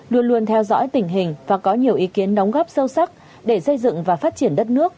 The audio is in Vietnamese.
luôn luôn theo dõi tình hình và có nhiều ý kiến đóng góp sâu sắc để xây dựng và phát triển đất nước